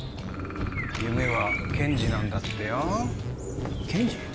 夢は検事なんだってよ検事？